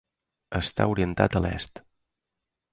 Està orientada a l'est.